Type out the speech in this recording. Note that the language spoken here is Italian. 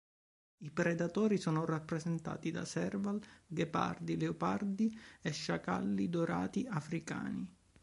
I predatori sono rappresentati da serval, ghepardi, leopardi e sciacalli dorati africani.